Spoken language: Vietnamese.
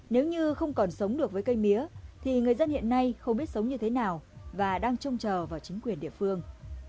nếu như không còn sống được với cây mía thì người dân hiện nay không biết sống như thế nào và đang trông chờ vào chính quyền địa phương